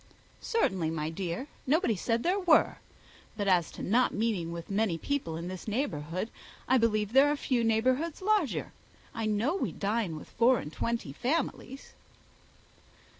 "Certainly, my dear, nobody said there were; but as to not meeting with many people in this neighbourhood, I believe there are few neighbourhoods larger. I know we dine with four and twenty families."